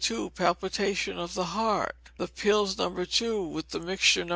Palpitation of the Heart. The pills No 2, with, the mixture No.